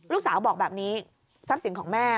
ลูกสาวบอกแบบนี้ทรัพย์สินของแม่